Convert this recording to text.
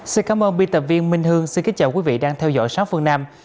xin cảm ơn bi tập viên minh hương xin kính chào quý vị đang theo dõi sáu phương nam